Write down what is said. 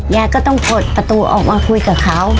ยายก็ต้องกดประตูออกมาคุยกับเขา